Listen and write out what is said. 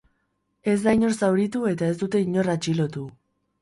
Ez da inor zauritu eta ez dute inor atxilotu.